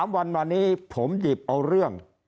๓วันมานี้ผมหยิบเอาเรื่อง